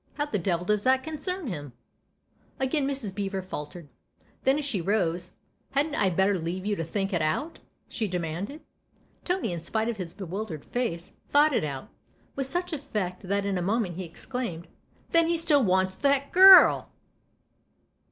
" How the devil does that concern him ?" Again Mrs. Beever faltered ; then, as she rose, " Hadn't I better leave you to think it out ?" she demanded. Tony, in spite of his bewildered face, thought it igo THE OTHER HOUSE out with such effect that in a moment he exclaimed :" Then he still wants that girl